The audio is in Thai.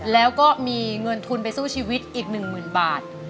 แล้วก็มีเงินทุนไปสู้ชีวิตอีก๑๐๐๐บาท